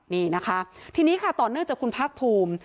นี่นะคะทีนี้ค่ะต่อเนื่องจากคุณภาคภูมิ